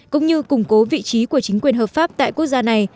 cũng như củng cố vị trí của chính quyền hợp pháp tại quốc gia này